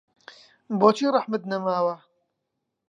بۆچی ڕەحمت نەماوە